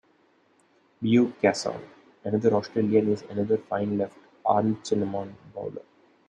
Beau Casson, another Australian is another fine left arm chinaman bowler.